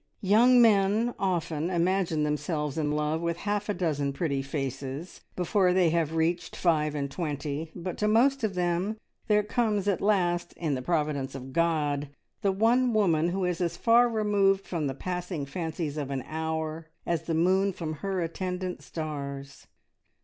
Young men often imagine themselves in love with half a dozen pretty faces before they have reached five and twenty, but to most of them there comes at last, in the providence of God, the one woman who is as far removed from the passing fancies of an hour as the moon from her attendant stars.